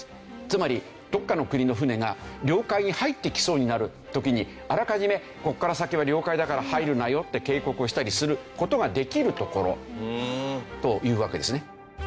つまりどこかの国の船が領海に入ってきそうになる時にあらかじめここから先は領海だから入るなよって警告をしたりする事ができる所というわけですね。